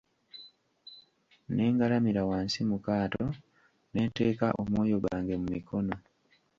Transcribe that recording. Ne ngalamira wansi mu kaato, ne nteeka omwoyo gwange mu mikono.